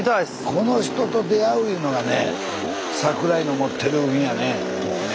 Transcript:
この人と出会ういうのがね櫻井の持ってる運やね。